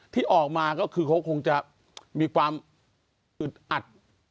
ที่ออกมาก็คือเขาคงจะมีความอึดอัด